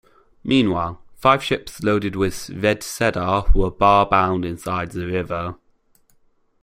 Meanwhile, five ships loaded with red cedar were bar-bound inside the river.